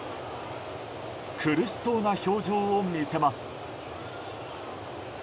苦しそうな表情を見せます。